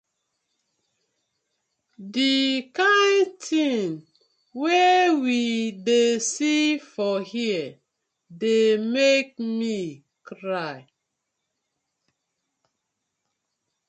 Di kin tin wey we dey see for here dey mek mi cry.